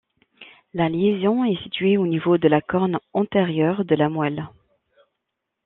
La lésion est située au niveau de la corne antérieure de la moelle.